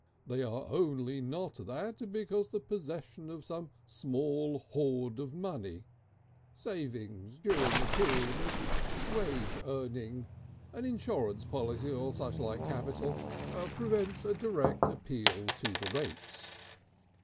They are only not that, because the possession of some small hoard of money, savings during a period of wage earning, an insurance policy or suchlike capital, prevents a direct appeal to the rates.